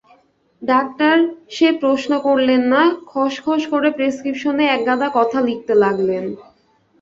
Doctor সে-প্রশ্ন করলেন না, খসখস করে প্রেসক্রিপশনে একগাদা কথা লিখতে লাগলেন।